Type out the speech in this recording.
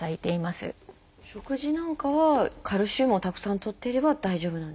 食事なんかはカルシウムをたくさんとっていれば大丈夫なんですか？